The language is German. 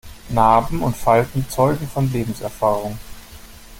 Narben und Falten zeugen von Lebenserfahrung.